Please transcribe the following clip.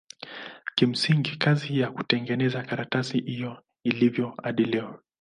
Kimsingi kazi ya kutengeneza karatasi ndivyo ilivyo hadi leo.